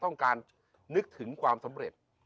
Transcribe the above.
ต้องการนึกถึงความสำเร็จ